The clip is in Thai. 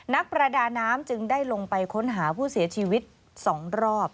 นักประดาน้ำจึงได้ลงไปค้นหาผู้เสียชีวิต๒รอบ